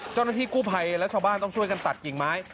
เจ้าหน้าที่กู้ภัยและชาวบ้านต้องช่วยกันตัดกิ่งไม้